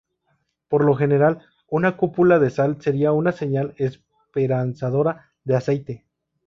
Por lo general, una cúpula de sal sería una señal esperanzadora de aceite.